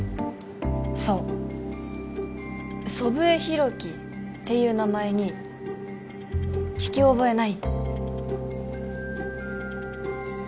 そう祖父江広樹っていう名前に聞き覚えない？